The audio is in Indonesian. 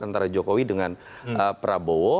antara jokowi dengan prabowo